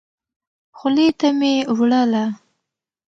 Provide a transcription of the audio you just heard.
خولې ته مي وړله .